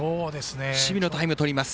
守備タイムをとります。